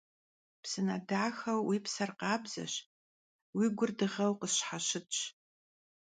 Psıne daxeu vui pser khabzeş, vui gur dığeu khısşheşıtş.